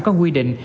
có quy định